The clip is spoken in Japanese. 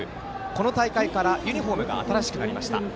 この大会からユニフォームが新しくなりました。